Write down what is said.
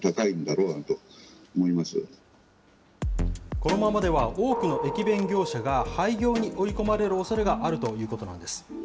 このままでは多くの駅弁業者が廃業に追い込まれるおそれがあるということなんです。